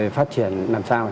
phát triển làm sao